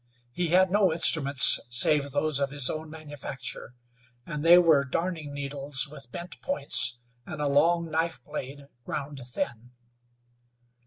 He had no instruments, save those of his own manufacture, and they were darning needles with bent points, and a long knife blade ground thin.